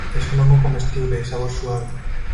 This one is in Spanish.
Es un hongo comestible, de sabor suave.